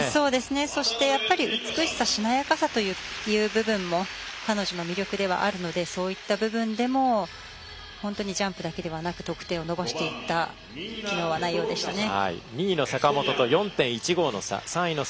そして美しさ、しなやかさという部分も彼女の魅力でもあるのでそういった部分でもジャンプだけではなく得点を伸ばしていった内容でしたね。